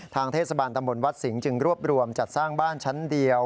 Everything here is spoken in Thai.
เทศบาลตำบลวัดสิงห์จึงรวบรวมจัดสร้างบ้านชั้นเดียว